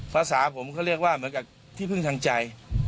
ภาษาผมเขาเรียกว่าเหมือนกับที่พึ่งทางใจ